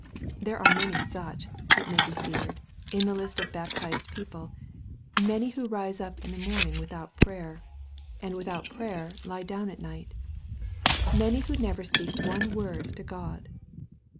There are many such, it may be feared, in the list of baptized people many who rise up in the morning without prayer, and without prayer lie down at night many who never speak one word to God.